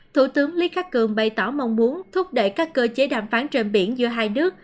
thủ tướng lý khắc cường bày tỏ mong muốn thúc đẩy các cơ chế đàm phán trên biển giữa hai nước